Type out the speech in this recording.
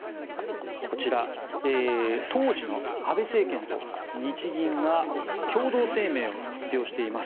こちら、当時の安倍政権と日銀が共同声明を発表しています。